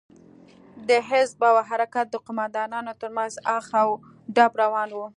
د حزب او حرکت د قومندانانو تر منځ اخ و ډب روان و.